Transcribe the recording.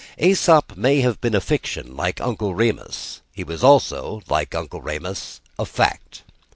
Æsop may have been a fiction like Uncle Remus: he was also, like Uncle Remus, a fact.